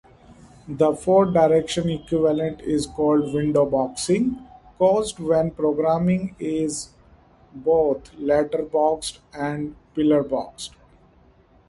The four-direction equivalent is called windowboxing, caused when programming is both letterboxed and pillarboxed.